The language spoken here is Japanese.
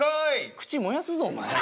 口燃やすぞお前。